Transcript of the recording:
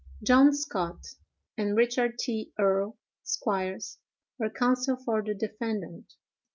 "John Scott and Richard T. Earl, Esqs., were counsel for the defendant."